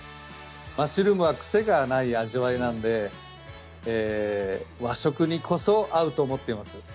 マッシュルームは癖がない味わいなので和食にこそ合うと思っています。